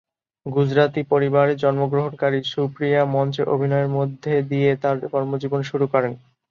গুজরাতি পরিবারে জন্মগ্রহণকারী সুপ্রিয়া মঞ্চে অভিনয়ের মধ্যে দিয়ে তার কর্মজীবন শুরু করেন।